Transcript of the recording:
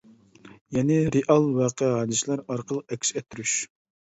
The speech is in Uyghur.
يەنى رېئال ۋەقە-ھادىسىلەر ئارقىلىق ئەكس ئەتتۈرۈش.